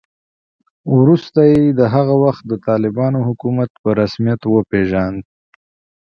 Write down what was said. وروسته یې د هغه وخت د طالبانو حکومت په رسمیت وپېژاند